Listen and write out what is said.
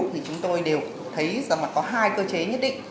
thì chúng tôi đều thấy rằng là có hai cơ chế nhất định